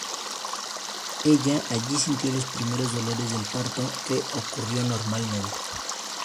Ella allí sintió los primeros dolores del parto, que ocurrió normalmente.